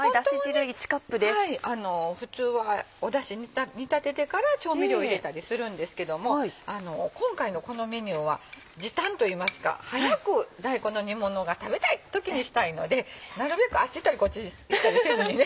ホントはね普通はだし煮立ててから調味料入れたりするんですけども今回のこのメニューは時短といいますか早く大根の煮ものが食べたい！って時にしたいのでなるべくあっち行ったりこっち行ったりせずにね。